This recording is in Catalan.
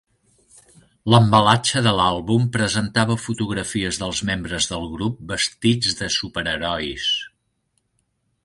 L'embalatge de l'àlbum presentava fotografies dels membres del grup vestits de superherois.